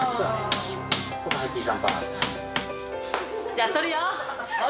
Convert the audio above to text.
じゃあ、とるよ、ＯＫ？